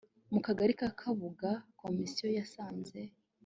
mu kagari ka kabuga komisiyo yasanze